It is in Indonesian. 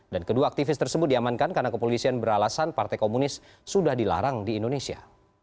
dan kedua aktivis tersebut diamankan karena kepolisian beralasan partai komunis sudah dilarang di indonesia